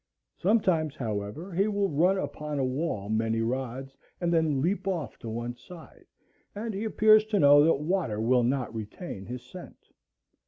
Sometimes, however, he will run upon a wall many rods, and then leap off far to one side, and he appears to know that water will not retain his scent.